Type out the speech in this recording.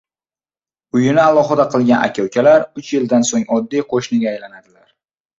• Uyini alohida qilgan aka-ukalar uch yildan so‘ng oddiy qo‘shniga aylanadilar.